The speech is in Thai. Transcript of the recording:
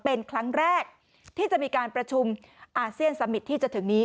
เป็นครั้งแรกที่จะมีการประชุมอาเซียนสมิตรที่จะถึงนี้